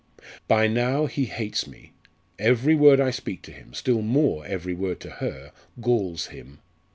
"By now he hates me; every word I speak to him still more every word to her galls him.